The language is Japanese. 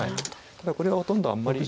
ただこれはほとんどあんまり。